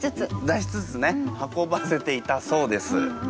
出しつつね運ばせていたそうです。